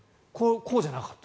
こうじゃなかった。